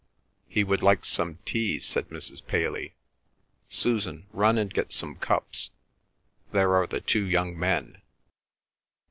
"He would like some tea," said Mrs. Paley. "Susan, run and get some cups—there are the two young men."